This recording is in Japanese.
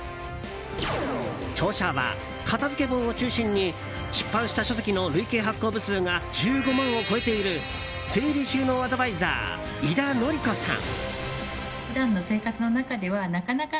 著者は、片付け本を中心に出版した書籍の累計発行部数が１５万を超えている整理収納アドバイザー井田典子さん。